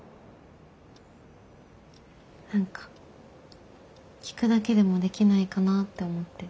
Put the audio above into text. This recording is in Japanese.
何か聞くだけでもできないかなって思って。